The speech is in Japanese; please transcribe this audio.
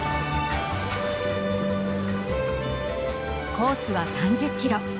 コースは３０キロ。